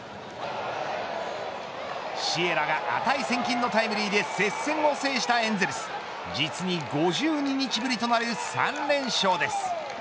シエラが値千金のタイムリーで接戦を制したエンゼルス実に５２日ぶりとなる３連勝です。